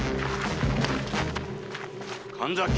神崎。